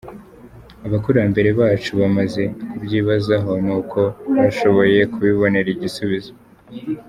Abakurambere bacu bamaze kubyibazaho n’uko bashoboye kubibonera igisubizo.